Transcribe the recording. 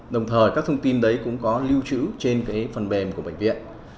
đồng thời các thông tin đấy cũng có lưu trữ trên phần mềm của bệnh viện